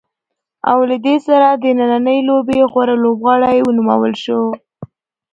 او له دې سره د نننۍ لوبې غوره لوبغاړی ونومول شو.